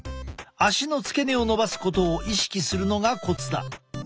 足の付け根をのばすことを意識するのがコツだ。